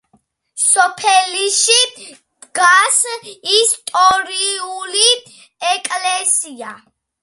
სოფელში დგას ისტორიული ეკლესია.